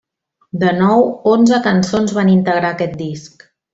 De nou onze cançons van integrar aquest disc.